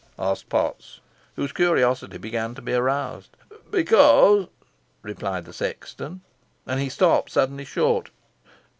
asked Potts, whose curiosity began to be aroused. "Becose " replied the sexton, and he stopped suddenly short.